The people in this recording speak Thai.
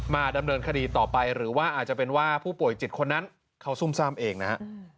ดำเนินคดีต่อไปหรือว่าอาจจะเป็นว่าผู้ป่วยจิตคนนั้นเขาซุ่มซ่ามเองนะฮะ